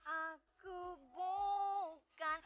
aku bukan wonder